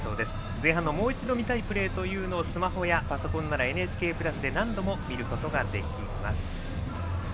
前半のもう一度見たいプレーというのをスマホやパソコンなら「ＮＨＫプラス」で何度も見ることができます。